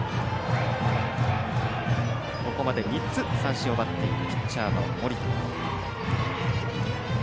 ここまで３つ三振を奪っているピッチャーの盛田。